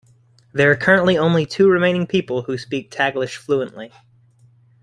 There are currently only two remaining people who speak Tagish fluently.